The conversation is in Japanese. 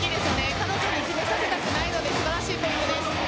彼女の好きにさせたくないので素晴らしいポイントです。